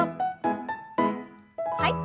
はい。